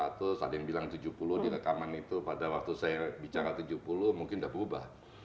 ada yang bilang tujuh puluh di rekaman itu pada waktu saya bicara tujuh puluh mungkin sudah berubah